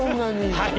はい。